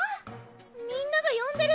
・みんながよんでる！